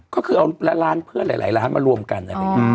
ก็คือเอาร้านเพื่อนหลายร้านมารวมกัน